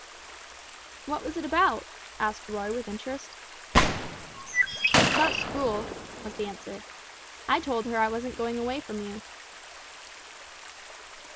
"What was it about?" asked Roy, with interest. "About school," was the answer; "I told her I wasn't going away from you."